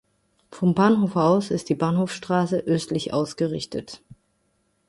Vom Bahnhof aus ist die Bahnhofstrasse östlich ausgerichtet.